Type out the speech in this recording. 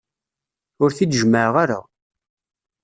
Ur t-id-jemmeɛ ara.